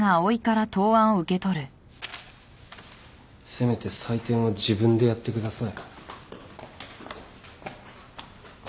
せめて採点は自分でやってください。